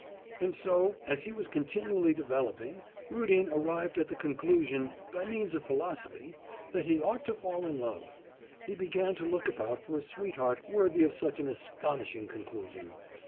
'And so, as he was continually developing, Rudin arrived at the conclusion, by means of philosophy, that he ought to fall in love. He began to look about for a sweetheart worthy of such an astonishing conclusion.